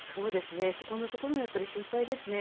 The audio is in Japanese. そこのところも心配ですね。